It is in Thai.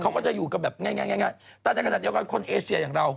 เขาก็จะอยู่กันแบบง่ายแต่ในขณะเดียวกันคนเอเชียอย่างเรา